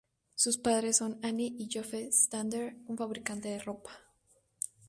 Sus padres son Anne y Joseph Shatner, un fabricante de ropa.